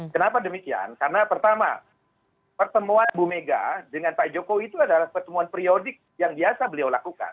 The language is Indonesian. kenapa demikian karena pertama pertemuan ibu mega dengan pak jokowi itu adalah pertemuan periodik yang biasa beliau lakukan